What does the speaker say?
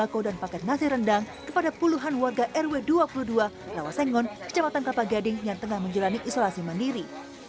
bako dan paket nasi rendang kepada puluhan warga rw dua puluh dua lawasengon kecamatan kelapa gading yang tengah menjalani isolasi mandiri